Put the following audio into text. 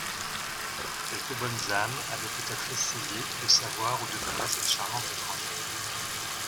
Quelques bonnes âmes avaient peut-être essayé de savoir où demeurait cette charmante étrangère.